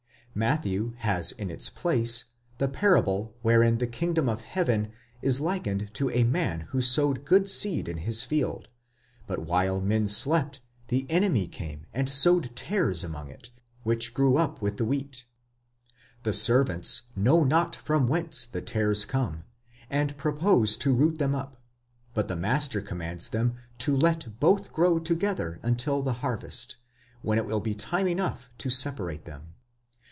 Matthew has in its place the parable wherein the kingdom of heaven is likened to a man who sowed good seed in his field ; but while men slept, the enemy came and sowed tares among it, which grew up with the wheat. The servants know not from whence the tares come, and propose to root them up; but the master commands them to let both grow together until the harvest, when it will be time enough to separate them.